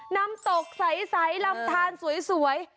น้ำตกใสลำทานสวย